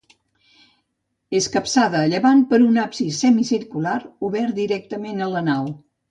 És capçada a llevant per un absis semicircular, obert directament a la nau.